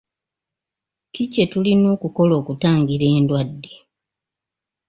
Ki kye tulina okukola okutangira endwadde?